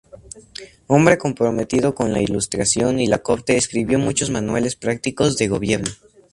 Hombre comprometido con la ilustración y la corte, escribió muchos manuales prácticos de gobierno.